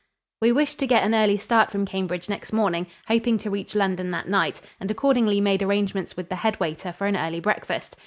We wished to get an early start from Cambridge next morning, hoping to reach London that night, and accordingly made arrangements with the head waiter for an early breakfast.